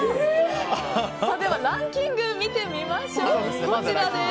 ではランキングを見てみましょう。